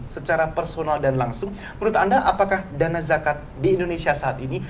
secara personal dan langsung menurut anda apakah dana zakat di indonesia saat ini